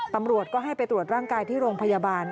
ตำรวจก็ให้ไปตรวจร่างกายที่โรงพยาบาล